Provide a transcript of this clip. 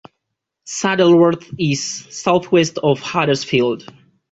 Saddleworth is southwest of Huddersfield.